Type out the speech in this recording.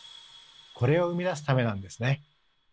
これを生み出すためなんですね。